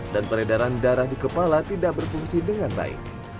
peredaran darah di kepala tidak berfungsi dengan baik